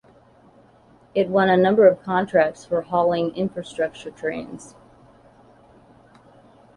It won a number of contracts for hauling infrastructure trains.